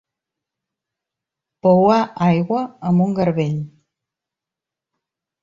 Pouar aigua amb un garbell.